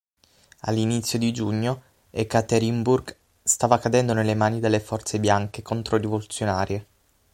All'inizio di giugno, Ekaterinburg stava cadendo nelle mani delle forze bianche controrivoluzionarie.